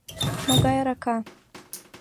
— Могай арака?